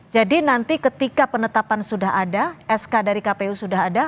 nanti ketika penetapan sudah ada sk dari kpu sudah ada